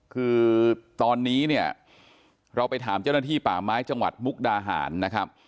คือตอนนี้เนี่ยเราไปถามเจ้าหน้าที่ป่าไม้จังหวัดมุกดาหารนะครับ